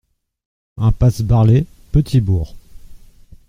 Impasse Barlet, Petit-Bourg